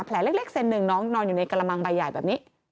เล็กเซนหนึ่งน้องนอนอยู่ในกระมังใบใหญ่แบบนี้